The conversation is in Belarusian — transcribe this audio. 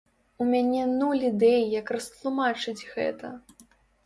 У мяне нуль ідэй, як растлумачыць гэта.